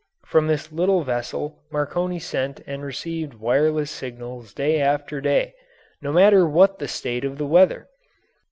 From this little vessel Marconi sent and received wireless signals day after day, no matter what the state of the weather.